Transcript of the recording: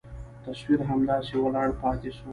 تصوير همداسې ولاړ پاته سو.